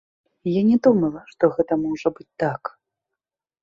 Я не думала, што гэта можа быць так.